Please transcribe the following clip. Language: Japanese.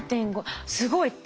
すごい。